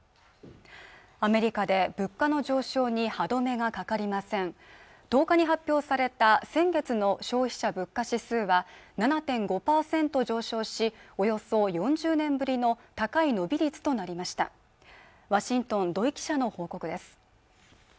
アメリカで物価の上昇に歯止めがかかりません１０日に発表された先月の消費者物価指数は７．５％上昇しおよそ４０年ぶりの高い伸び率となりましたワシントン土居記者の報告です